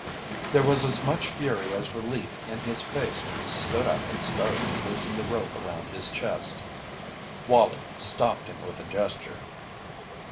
There was as much fury as relief in his face when he stood up and started to loosen the rope around his chest. Wallie stopped him with a gesture.